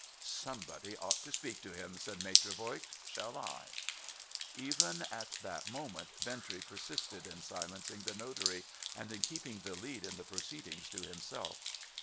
' Somebody ought to speak to him,' said Maitre Voigt. ' Shall I ?' Even at that moment Bintrey persisted in silencing the notary, and in keeping the lead in the proceedings to himself.